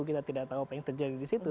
kita tidak tahu apa yang terjadi di situ